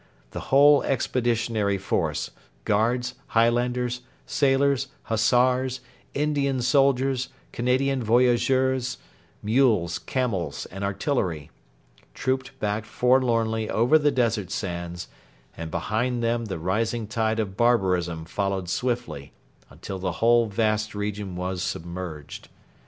The whole Expeditionary Force Guards, Highlanders, sailors, Hussars, Indian soldiers, Canadian voyageurs, mules, camels, and artillery trooped back forlornly over the desert sands, and behind them the rising tide of barbarism followed swiftly, until the whole vast region was submerged.